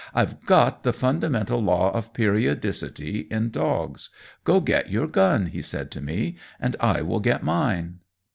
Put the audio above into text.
I've got the fundamental law of periodicity in dogs! Go get your gun," he said to me, "and I will get mine."